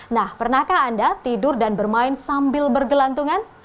nah pernahkah anda tidur dan bermain sambil bergelantungan